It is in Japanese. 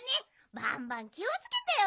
バンバンきをつけてよ！